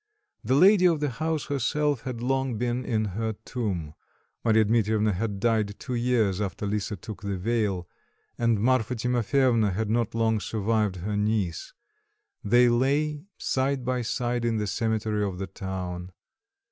The lady of the house herself had long been in her tomb; Marya Dmitrievna had died two years after Lisa took the veil, and Marfa Timofyevna had not long survived her niece; they lay side by side in the cemetery of the town.